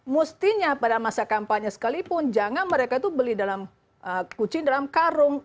mestinya pada masa kampanye sekalipun jangan mereka itu beli dalam kucing dalam karung